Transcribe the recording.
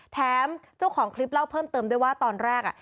แถมเจ้าของคลิปเล่าเพิ่มเติมด้วยว่าตอนแรก